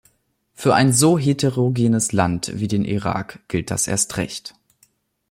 Für ein so heterogenes Land wie den Irak gilt das erst recht.